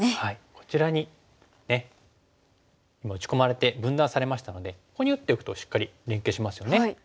こちらに今打ち込まれて分断されましたのでここに打っておくとしっかり連係しますよね。